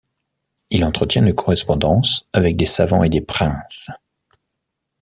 Il entretient une correspondance avec des savants et des princes.